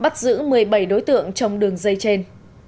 bắt giữ một mươi bảy đối tượng trong đường dây trên